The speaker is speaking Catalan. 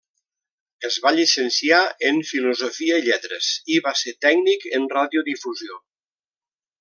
Es va llicenciar en filosofia i lletres i va ser tècnic en radiodifusió.